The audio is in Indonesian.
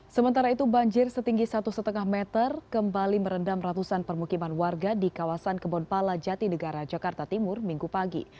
sementara itu banjir setinggi satu lima meter kembali merendam ratusan permukiman warga di kawasan kebonpala jati negara jakarta timur minggu pagi